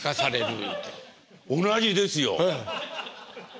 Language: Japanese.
同じですよ！